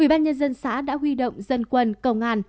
ubnd xã đã huy động dân quân công an